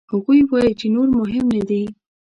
هغوی وايي چې نور مهم نه دي.